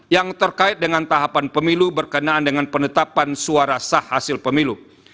yang terkait dengan tahapan pemilu berkenaan dengan penetapan suara sah hasil pemilu